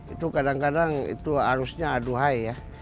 itu kadang kadang itu arusnya aduhai ya